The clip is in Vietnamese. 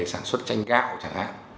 sản xuất chanh gạo chẳng hạn